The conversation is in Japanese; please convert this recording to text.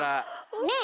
ねえ？